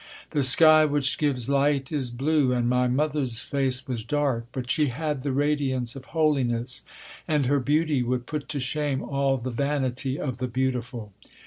The sky which gives light is blue, and my mother's face was dark, but she had the radiance of holiness, and her beauty would put to shame all the vanity of the beautiful.